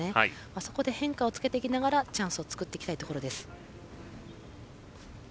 そこで変化をつけていきながらチャンスを作っていきたいところです。